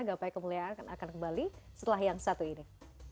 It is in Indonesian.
gapai kemuliaan akan kembali setelah yang satu ini